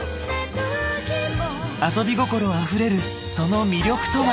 遊び心あふれるその魅力とは？